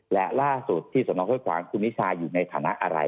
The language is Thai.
และล่าสุดที่สำนักค้นความคุณฮิชาอยู่ในฐานะอะไร